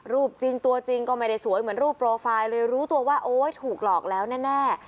รูปจริงตัวจริงก็ไม่ได้สวยเหมือนรูปโปรไฟล์เลยรู้ตัวว่าโอ๊ยถูกหลอกแล้วแน่